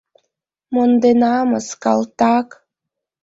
Монденамыс, калтак.